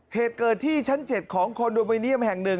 เหตุเกิดที่ชั้น๗ของคอนโดมิเนียมแห่ง๑